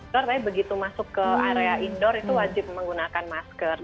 tidak pakai maskapai tapi begitu masuk ke area indoor itu wajib menggunakan maskapai